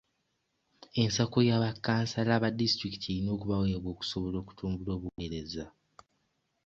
Ensako ya bakansala ba disitulikiti erina okubaweebwa okusobola okutumbula obuweereza.